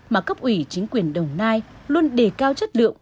mà cấp ủy chính quyền đồng nai luôn đề cao chất lượng